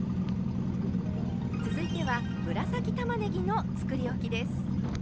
続いては紫たまねぎのつくりおきです。